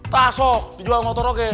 tasuk dijual motor aja